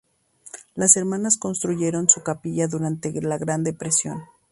Las hermanas construyeron su capilla durante la Gran Depresión.